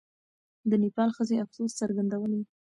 د نېپال ښځې افسوس څرګندولی.